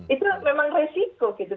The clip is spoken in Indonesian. itu memang resiko gitu